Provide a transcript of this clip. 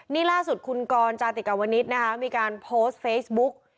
นี่ล่าสุดคุณกรจาติกาวนิตนะคะมีการโพสต์เฟซบุ๊ก